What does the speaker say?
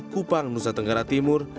kupang nusa tenggara timur